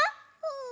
うん。